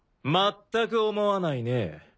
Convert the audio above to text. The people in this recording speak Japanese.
まったく思わないね。